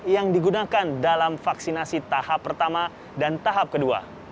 yang digunakan dalam vaksinasi tahap pertama dan tahap kedua